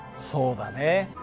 そうだね。